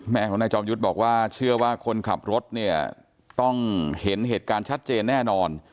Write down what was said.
แม่ของนายจอมยุทธ์บอกว่าเชื่อว่าคนขับรถเนี่ยต้องเห็นเหตุการณ์ชัดเจนแน่นอน